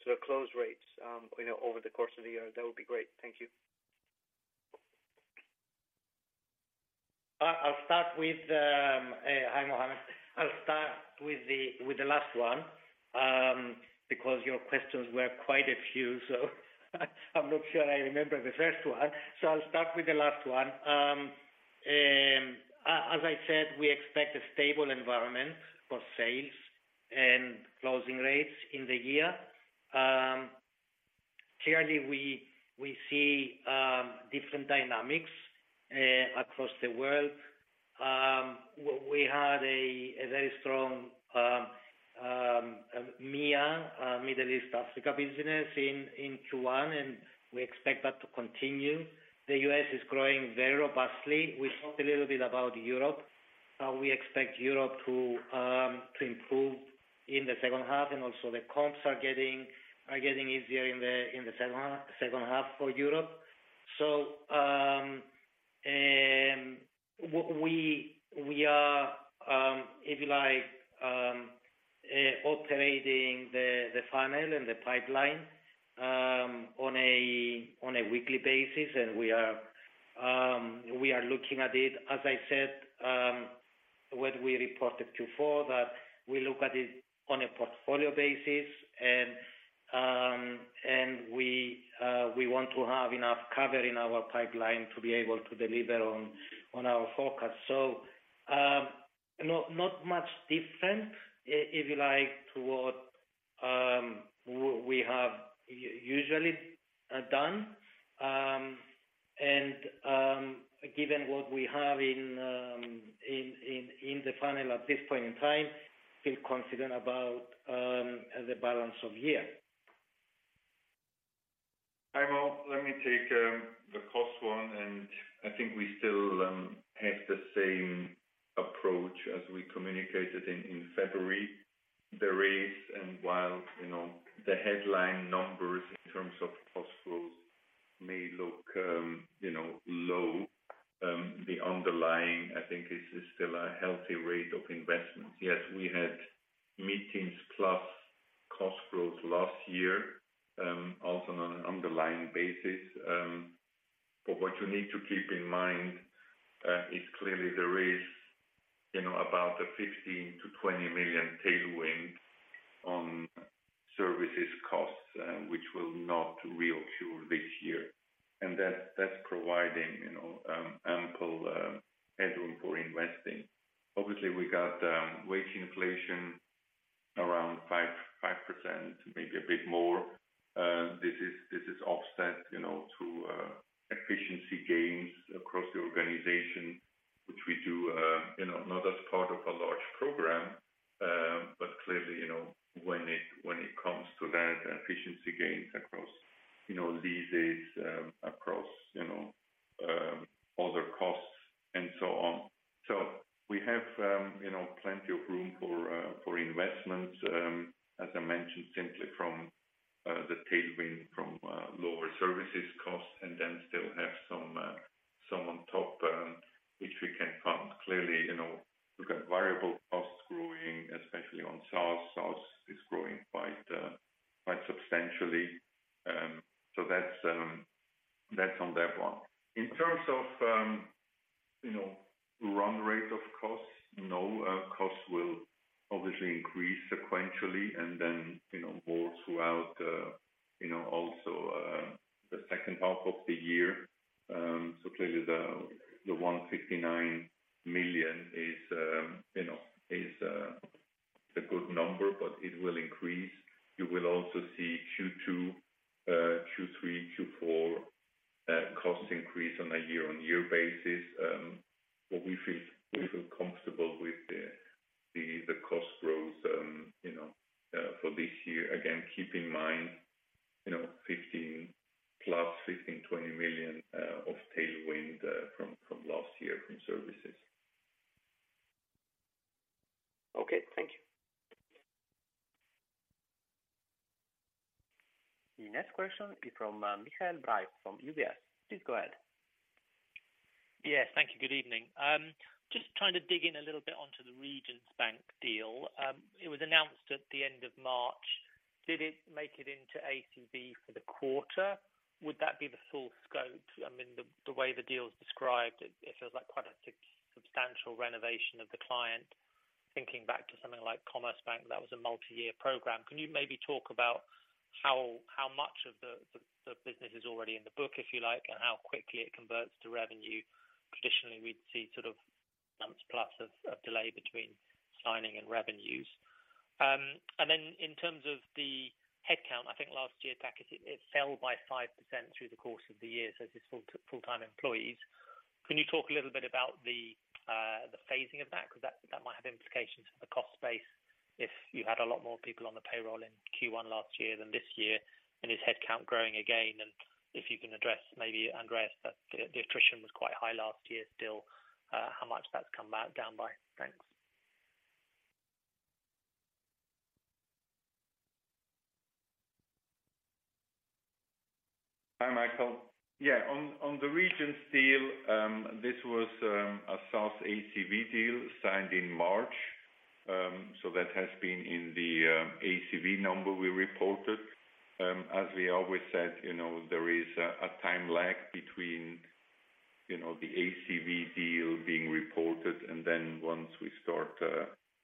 sort of close rates, you know, over the course of the year? That would be great. Thank you. I'll start with Hi, Mohammed. I'll start with the last one, because your questions were quite a few, so I'm not sure I remember the first one. I'll start with the last one. As I said, we expect a stable environment for sales and closing rates in the year. Clearly, we see different dynamics across the world. We had a very strong MEA, Middle East, Africa business in Q1, and we expect that to continue. The U.S. is growing very robustly. We talked a little bit about Europe. We expect Europe to improve in the second half, and also the comps are getting easier in the second half for Europe. We are, if you like, operating the funnel and the pipeline on a weekly basis, and we are looking at it. As I said, when we reported Q4 that we look at it on a portfolio basis and we want to have enough cover in our pipeline to be able to deliver on our forecast. Not much different, if you like, to what we have usually done. Given what we have in the funnel at this point in time, feel confident about the balance of year. Hi Mohammed, let me take the cost one. While, you know, the headline numbers in terms of cost growth may look, you know, low, the underlying, I think, is still a healthy rate of investment. Yes, we had mid-teens plus cost growth last year, also on an underlying basis. But what you need to keep in mind is clearly there is, you know, about a $15 million-$20 million tailwind on services costs, which will not reoccur this year. That's providing, you know, ample headroom for investing. We got wage inflation around 5%, maybe a bit more. This is, this is offset, you know, to efficiency gains across the organization, which we do, you know, not as part of a large program, but clearly, you know, when it, when it comes to that efficiency gains across, you know, leases, across, you know, other costs and so on. We have, you know, plenty of room for investments, as I mentioned, simply from the tailwind from lower services costs and then still have some on top, which we can fund. Clearly, you know, we've got variable costs growing, especially on SaaS. SaaS is growing quite substantially. That's, that's on that one. In terms of, you know, run rate of costs, no, costs will obviously increase sequentially and then, you know, more throughout the second half of the year. Clearly the $159 million is, you know, is a good number, but it will increase. You will also see Q2, Q3, Q4, cost increase on a year-over-year basis. We feel comfortable with the cost growth, you know, for this year. Again, keep in mind, you know, $15 million+, $15 million-$20 million of tailwind from last year in services. Okay, thank you. The next question is from Michael Briest from UBS. Please go ahead. Yes, thank you. Good evening. Just trying to dig in a little bit onto the Regions Bank deal. It was announced at the end of March. Did it make it into ACV for the quarter? Would that be the full scope? I mean, the way the deal is described, it feels like quite a substantial renovation of the client. Thinking back to something like Commerce Bank, that was a multi-year program. Can you maybe talk about how much of the business is already in the book, if you like, and how quickly it converts to revenue? Traditionally, we'd see sort of months plus of delay between signing and revenues. And then in terms of the headcount, I think last year, Takis, it fell by 5% through the course of the year, so it is full-time employees. Can you talk a little bit about the phasing of that? Because that might have implications for the cost base if you had a lot more people on the payroll in Q1 last year than this year. Is headcount growing again? If you can address maybe Andreas, that the attrition was quite high last year still, how much that's come back down by? Thanks. Hi, Michael. Yeah. On, on the Regions deal, this was a SaaS ACV deal signed in March. That has been in the ACV number we reported. As we always said, you know, there is a time lag between, you know, the ACV deal being reported and then once we start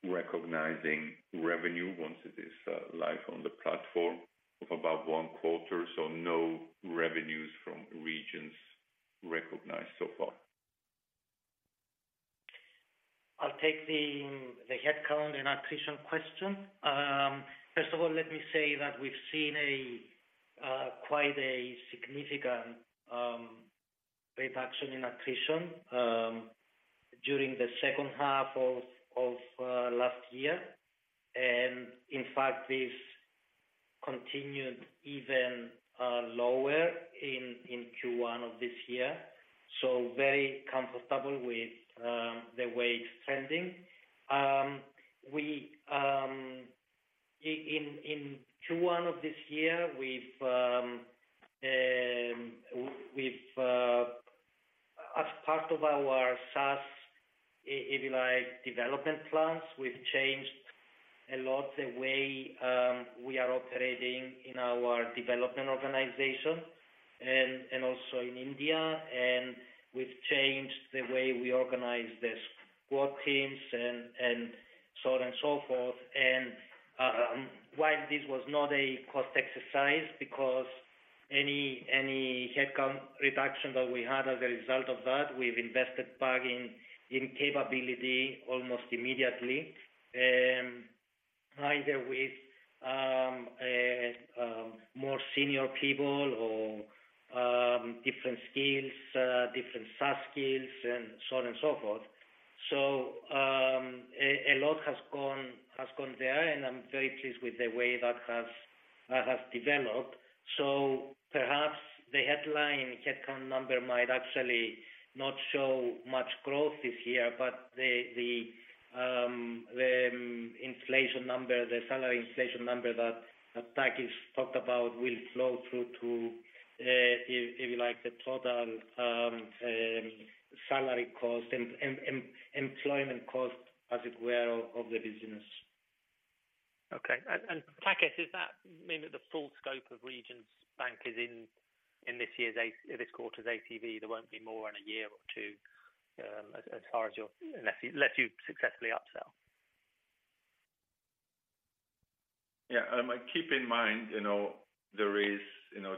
recognizing revenue, once it is live on the platform of about one quarter. No revenues from Regions recognized so far. I'll take the headcount and attrition question. First of all, let me say that we've seen a quite a significant reduction in attrition during the second half of last year. In fact, this continued even lower in Q1 of this year. Very comfortable with the way it's trending. We in Q1 of this year, we've as part of our SaaS, if you like, development plans, we've changed a lot the way we are operating in our development organization and also in India. We've changed the way we organize the squad teams and so on and so forth. While this was not a cost exercise because any headcount reduction that we had as a result of that, we've invested back in capability almost immediately. Either with more senior people or different skills, different SaaS skills and so on and so forth. A lot has gone there, and I'm very pleased with the way that has developed. Perhaps the headline headcount number might actually not show much growth this year, but the inflation number, the salary inflation number that Takis talked about will flow through to, if you like, the total salary cost, employment cost, as it were, of the business. Okay. Takis does that mean that the full scope of Regions Bank is in this year's this quarter's ACV, there won't be more in a year or two, as far as your unless you successfully upsell? Yeah. Keep in mind, you know, there is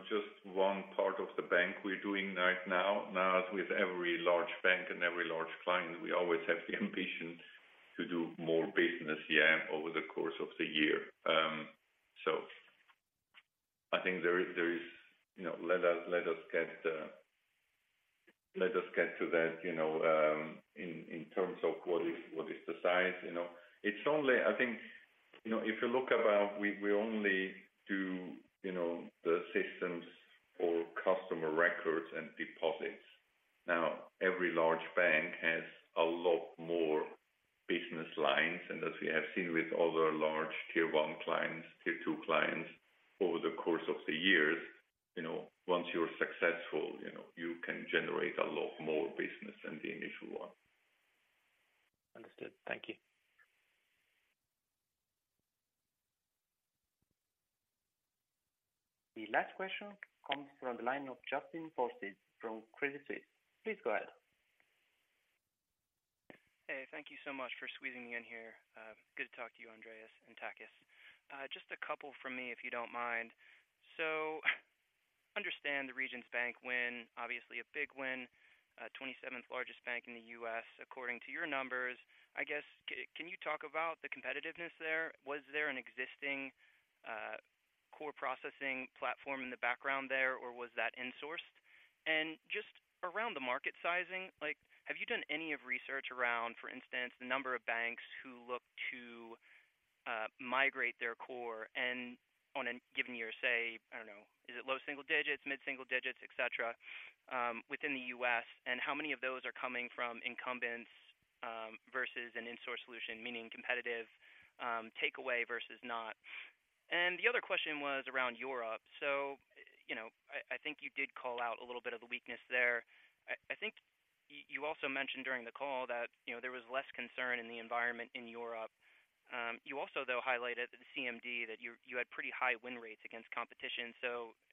just one part of the bank we're doing right now. As with every large bank and every large client, we always have the ambition to do more business, yeah, over the course of the year. I think there is, you know, let us, let us get to that, you know, in terms of what is the size, you know. It's only I think, you know, if you look about we only do, you know, the systems for customer records and deposits. Every large bank has a lot more business lines. As we have seen with other large tier one clients, tier two clients over the course of the years, you know, once you're successful, you know, you can generate a lot more business than the initial one. Understood. Thank you. The last question comes from the line of Justin Forsythe from Credit Suisse. Please go ahead. Hey, thank you so much for squeezing me in here. Good to talk to you, Andreas and Takis. Just a couple from me if you don't mind. Understand the Regions Bank win, obviously a big win, 27th largest bank in the U.S. according to your numbers. I guess can you talk about the competitiveness there? Was there an existing core processing platform in the background there, or was that insourced? Just around the market sizing, like, have you done any of research around, for instance, the number of banks who look to migrate their core and on a given year, say, I don't know, is it low single digits, mid-single digits, et cetera, within the U.S.? How many of those are coming from incumbents versus an insource solution, meaning competitive takeaway versus not? The other question was around Europe. you know, I think you did call out a little bit of the weakness there. I think you also mentioned during the call that, you know, there was less concern in the environment in Europe. You also, though, highlighted the CMD that you had pretty high win rates against competition.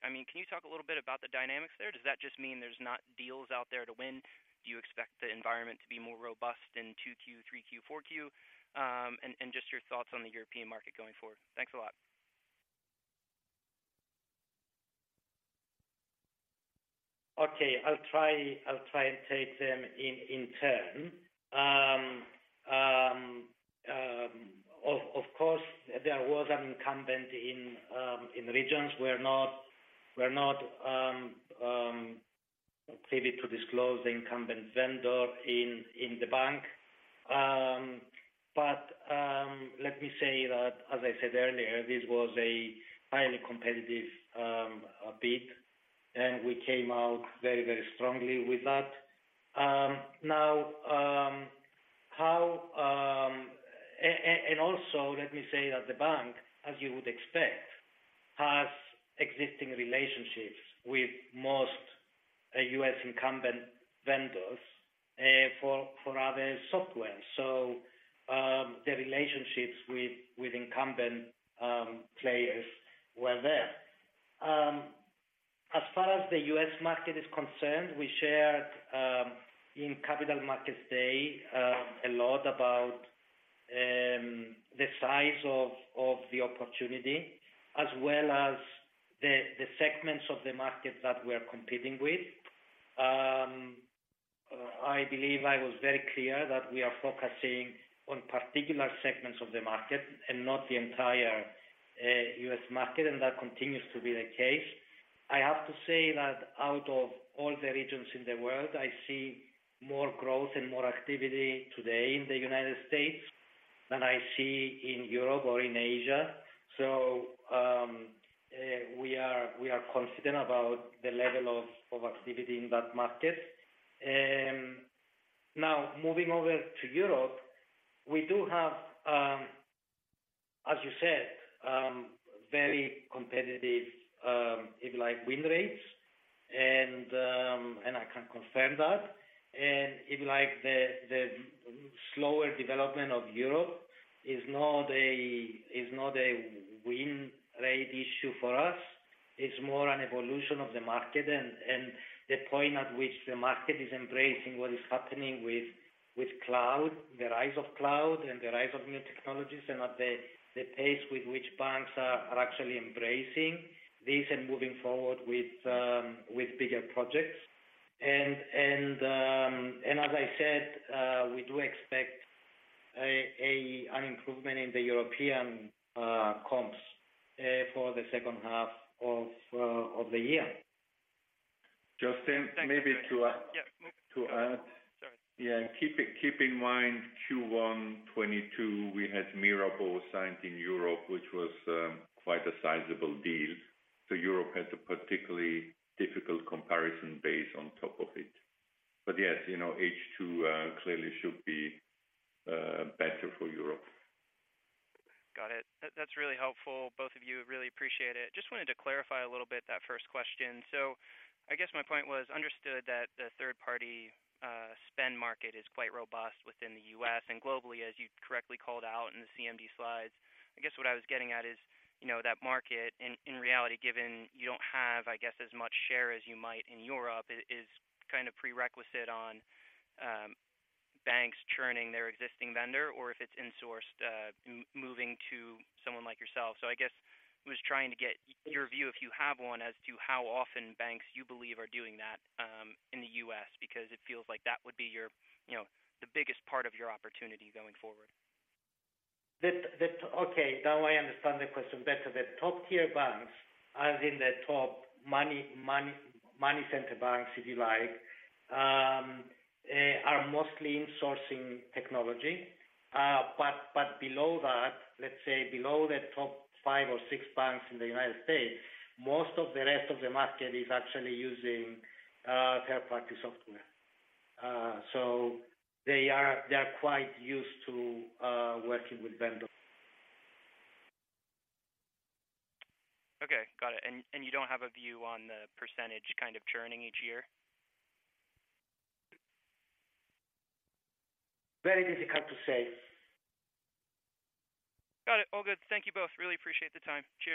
I mean, can you talk a little bit about the dynamics there? Does that just mean there's not deals out there to win? Do you expect the environment to be more robust in 2Q, 3Q, 4Q? and just your thoughts on the European market going forward. Thanks a lot. Okay. I'll try and take them in turn. Of course, there was an incumbent in Regions. We're not privy to disclose the incumbent vendor in the bank. Let me say that, as I said earlier, this was a highly competitive bid, and we came out very, very strongly with that. Now, let me say that the bank, as you would expect, has existing relationships with most U.S. incumbent vendors for other software. The relationships with incumbent players were there. As far as the U.S. market is concerned, we shared in Capital Markets Day a lot about the size of the opportunity as well as the segments of the market that we're competing with. I believe I was very clear that we are focusing on particular segments of the market and not the entire U.S. market, and that continues to be the case. I have to say that out of all the regions in the world, I see more growth and more activity today in the United States than I see in Europe or in Asia. We are confident about the level of activity in that market. Moving over to Europe, we do have, as you said, very competitive, if you like, win rates. I can confirm that. If you like, the slower development of Europe is not a win rate issue for us. It's more an evolution of the market and the point at which the market is embracing what is happening with cloud, the rise of cloud and the rise of new technologies, and at the pace with which banks are actually embracing this and moving forward with bigger projects. As I said, we do expect an improvement in the European comps for the second half of the year. Justin, maybe to. Yeah. To add. Sorry. Keep in mind Q1 2022, we had Mirabaud signed in Europe, which was quite a sizable deal. Europe had a particularly difficult comparison base on top of it. Yes, you know, H2 clearly should be better for Europe. Got it. That's really helpful, both of you. Really appreciate it. Just wanted to clarify a little bit that first question. I guess my point was understood that the third party spend market is quite robust within the U.S. and globally, as you correctly called out in the CMD slides. I guess what I was getting at is, you know, that market in reality, given you don't have, I guess, as much share as you might in Europe is kind of prerequisite on banks churning their existing vendor or if it's insourced, moving to someone like yourself. I guess was trying to get your view, if you have one, as to how often banks you believe are doing that in the U.S., because it feels like that would be your, you know, the biggest part of your opportunity going forward. Okay, now I understand the question better. The top-tier banks, as in the top money center banks, if you like, are mostly insourcing technology. Below that, let's say below the top five or six banks in the United States, most of the rest of the market is actually using third-party software. They are quite used to working with vendors. Okay. Got it. You don't have a view on the % kind of churning each year? Very difficult to say. Got it. All good. Thank you both. Really appreciate the time. Cheers.